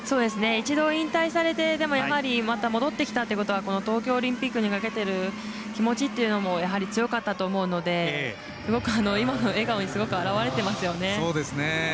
一度引退されてまた戻ってきたということは東京オリンピックにかけてる気持ちっていうのも、やはり強かったと思うので、今の笑顔にすごく表れてますよね。